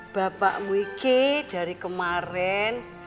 bapakmu iki dari kemarin